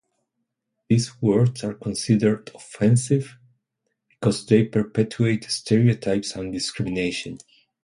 These words are considered offensive because they perpetuate stereotypes and discrimination.